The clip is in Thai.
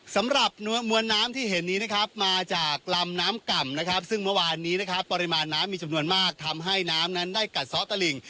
สำหรับมวลน้ำที่เห็นนี้นะครับมาจากลำน้ำก่ำนะครับซึ่งเมื่อวานนี้นะครับปริมาณน้ำมีจำนวนมากทำให้น้ำนั้นได้กัดซ้อตะหลิ่ง